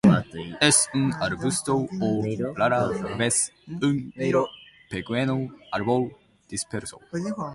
Es un arbusto o rara vez un pequeño árbol disperso.